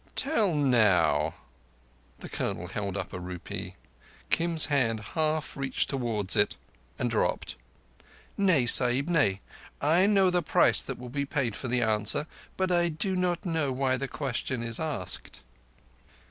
"Tell now." The Colonel held up a rupee. Kim's hand half reached towards it, and dropped. "Nay, Sahib; nay. I know the price that will be paid for the answer, but I do not know why the question is asked."